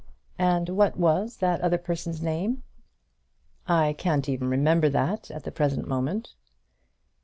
"And what was the other person's name?" "I can't even remember that at the present moment."